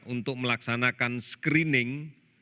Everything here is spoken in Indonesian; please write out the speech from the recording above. untuk melaksanakan screening